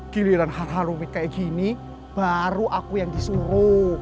giliran har harum kayak gini baru aku yang disuruh